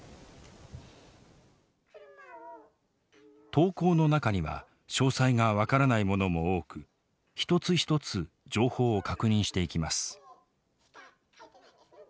投稿の中には詳細が分からないものも多く一つ一つ情報を確認していきます。